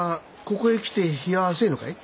ここへ来て日は浅えのかい？